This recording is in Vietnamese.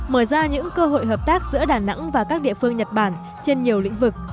mở ra những cơ hội hợp tác giữa đà nẵng và các địa phương nhật bản trên nhiều lĩnh vực